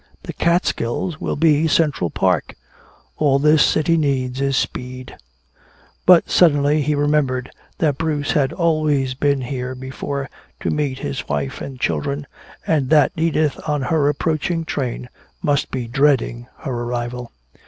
"The Catskills will be Central Park! All this city needs is speed!" But suddenly he remembered that Bruce had always been here before to meet his wife and children, and that Edith on her approaching train must be dreading her arrival.